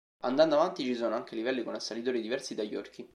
Andando avanti ci sono anche livelli con assalitori diversi dagli orchi.